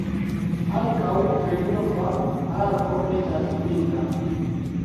Ankaŭ triumfa arko estas pinta.